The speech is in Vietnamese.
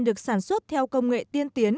được sản xuất theo công nghệ tiên tiến